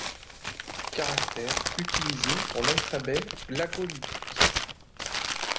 Caractères utilisés pour l'Alphabet glagolitique.